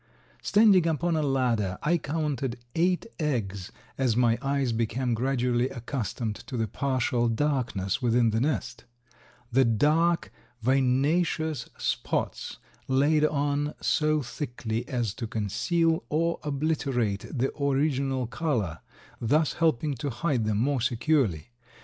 Standing upon a ladder I counted eight eggs as my eyes became gradually accustomed to the partial darkness within the nest; the dark, vinaceous spots laid on so thickly as to conceal or obliterate the original color, thus helping to hide them more securely.